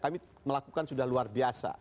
kami melakukan sudah luar biasa